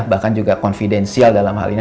bahkan juga confidensial dalam hal ini